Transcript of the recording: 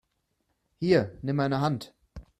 Hier, nimm meine Hand!